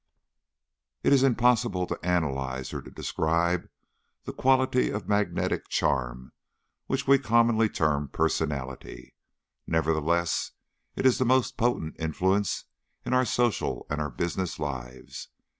It is impossible to analyze or to describe that quality of magnetic charm which we commonly term personality, nevertheless it is the most potent influence in our social and our business lives.